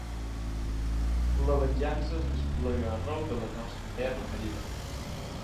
La venjança es desplega arreu de la nostra terra ferida.